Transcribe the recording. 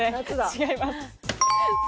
違います。